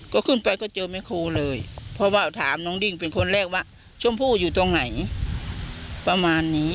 ก็ขึ้นไปก็เจอแม่ครูเลยเพราะว่าถามน้องดิ้งเป็นคนแรกว่าชมพู่อยู่ตรงไหนประมาณนี้